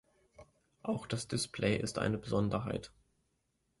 Auch das Display ist eine Besonderheit.